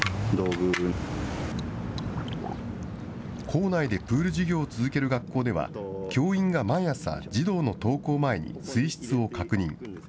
校内でプール授業を続ける学校では、教員が毎朝、児童の登校前に水質を確認。